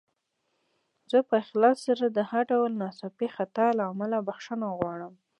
زه په اخلاص سره د هر ډول ناڅاپي خطا له امله بخښنه غواړم.